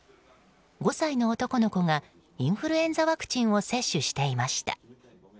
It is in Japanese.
５歳の男の子がインフルエンザワクチンを接種していました。